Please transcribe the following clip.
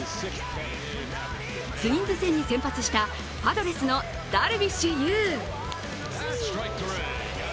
ツインズ戦に先発したパドレスのダルビッシュ有。